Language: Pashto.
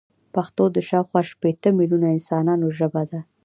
پښتو د شاوخوا شپيته ميليونه انسانانو ژبه ده.